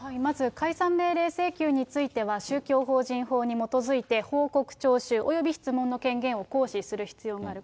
まず解散命令請求については、宗教法人法に基づいて報告徴収、および質問の権限を行使する必要がある。